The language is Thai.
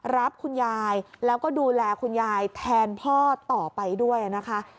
รับคุณยายแล้วก็ดูแลคุณยายแทนพ่อต่อไปด้วยนะคะ